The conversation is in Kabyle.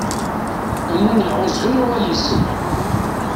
Am win iɛuẓẓgen yuɣal isell.